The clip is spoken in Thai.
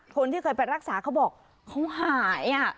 คนที่เคยไปรักษาเขาบอกเขาหาย